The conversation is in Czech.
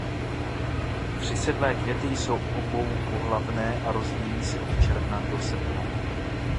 Přisedlé květy jsou oboupohlavné a rozvíjejí se od června do srpna.